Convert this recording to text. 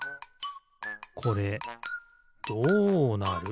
これどうなる？